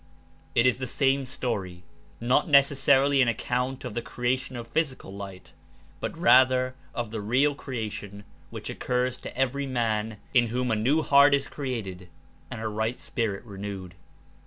'' It is the same story — not necessarily an account of the creation of physical light, but rather of the real crea tion which occurs to every man In whom a new heart Is created and a right spirit renewed.